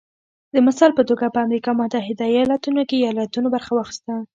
د مثال په توګه د امریکا متحده ایالتونو کې ایالتونو برخه واخیسته